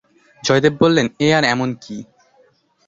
জয়দেব বললেন এ আর এমন কী!